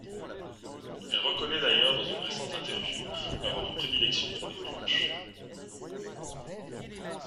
Elle reconnait d'ailleurs dans une récente interview avoir une prédilection pour les planches.